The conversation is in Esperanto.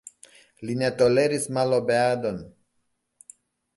Li ne toleris malobeadon.